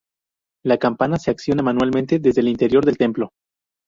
La campana se acciona manualmente desde el interior del templo.